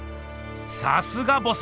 さすがボス！